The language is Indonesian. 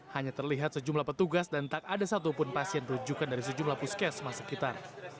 hanya terlihat sejumlah petugas dan tak ada satupun pasien rujukan dari sejumlah puskesmas sekitar